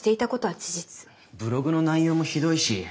ブログの内容もひどいし。